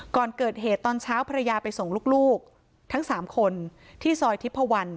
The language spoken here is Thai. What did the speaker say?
ก่อนเกิดเหตุตอนเช้าภรรยาไปส่งลูกทั้ง๓คนที่ซอยทิพพวัน